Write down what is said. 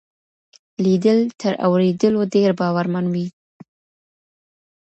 ليدل تر اورېدلو ډېر باورمن وي.